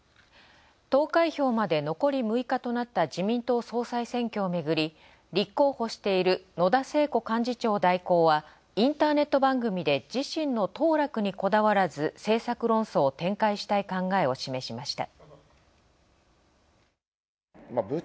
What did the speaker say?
投開票まで残り６日となった自民党総裁選挙をめぐり立候補している野田聖子幹事長代行はインターネット番組で自身の当落にこだわらず政策論争を展開したい考えを示しました。